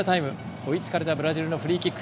追いつかれたブラジルのフリーキック。